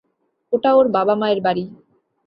এটা ওর বাবা-মায়ের বাড়ি।